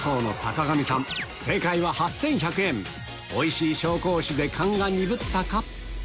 おいしい紹興酒で勘が鈍ったか？